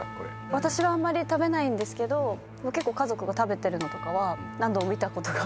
私はあまり食べないですけど結構家族が食べてるのとかは何度も見たことがあるので。